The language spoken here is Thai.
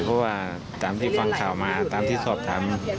เพราะว่าตามที่ฟังข่าวมาตามที่สอบถาม